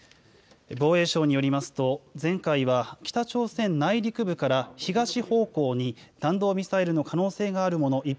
防衛省によりますと前回は北朝鮮内陸部から東方向に弾道ミサイルの可能性があるもの